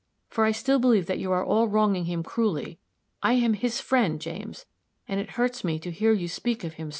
for I still believe that you are all wronging him cruelly. I am his friend, James, and it hurts me to hear you speak so of him.